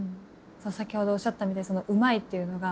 先ほどおっしゃったみたいに「うまい」っていうのが。